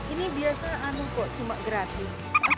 ini biasa anu kok cuma gratis